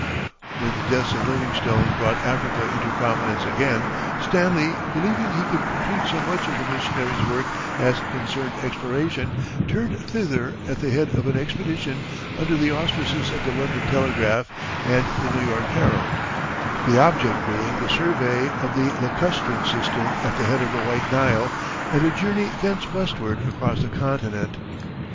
When the death of Livingstone brought Africa into prominence again, Stanley, believing he could complete so much of the missionary's work as concerned exploration, turned thither at the head of an expedition under the auspices of the London Telegraph and the New York Herald, the object being the survey of the lacustrine system at the head of the White Nile and a journey thence westward across the continent.